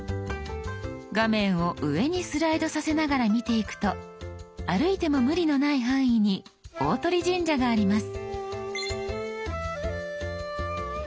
画面を上にスライドさせながら見ていくと歩いても無理のない範囲に大鳥神社があります。